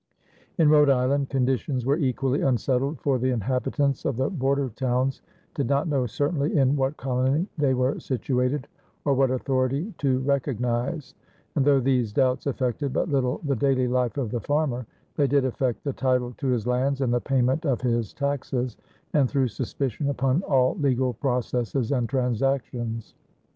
In Rhode Island conditions were equally unsettled, for the inhabitants of the border towns did not know certainly in what colony they were situated or what authority to recognize; and though these doubts affected but little the daily life of the farmer, they did affect the title to his lands and the payment of his taxes, and threw suspicion upon all legal processes and transactions.